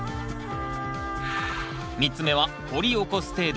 ３つ目は掘り起こす程度。